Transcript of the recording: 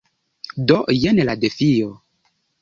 Do jen la defio.